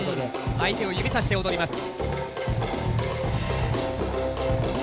相手を指さして踊ります。